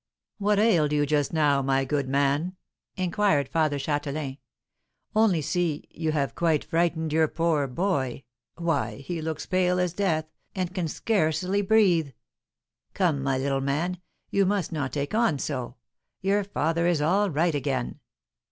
"What ailed you just now, my good man?" inquired Father Châtelain; "only see, you have quite frightened your poor boy. Why, he looks pale as death, and can scarcely breathe. Come, my little man; you must not take on so your father is all right again."